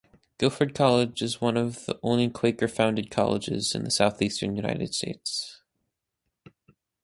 Guilford College is the only Quaker-founded college in the southeastern United States.